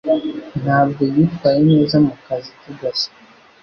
Ntabwo yitwaye neza mu kazi ke gashya.